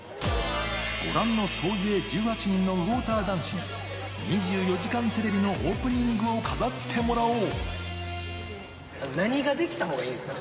ご覧の総勢１８人のウォーター男子が『２４時間テレビ』のオープニングを飾ってもらおう。